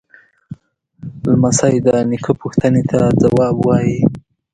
لمسی د نیکه پوښتنې ته ځواب وايي.